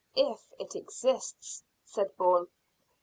"If it exists," said Bourne.